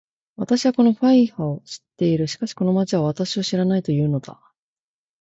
私はこのハイファを知っている。しかしこの町は私を知らないと言うのだ